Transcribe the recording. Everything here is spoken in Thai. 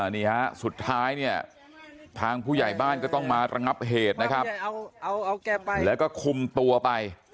นี่ฮะสุดท้ายเนี่ยทางผู้ใหญ่บ้านก็ต้องมาระงับเหตุนะครับแล้วก็คุมตัวไป